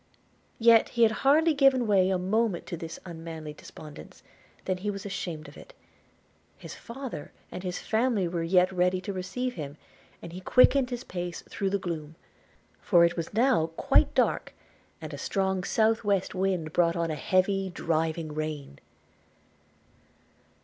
Yet he had hardly given way a moment to this unmanly despondence, than he was ashamed of it: his father and his family were yet ready to receive him, and he quickened his pace through the gloom; for it was now quite dark, and a strong south west wind brought on a heavy driving rain.